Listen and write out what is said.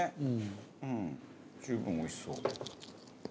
うん十分おいしそう。